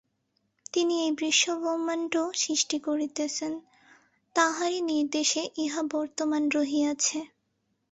তিনিই এই বিশ্বব্রহ্মাণ্ড সৃষ্টি করিতেছেন, তাঁহারই নির্দেশে ইহা বর্তমান রহিয়াছে।